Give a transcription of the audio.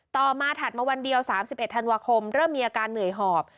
ต่อมาถัดมาวันเดียว๓๑ธันวาคมเริ่มมีอาการเหนื่อยหอบ